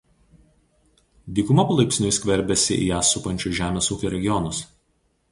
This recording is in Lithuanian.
Dykuma palaipsniui skverbiasi į ją supančius žemės ūkio regionus.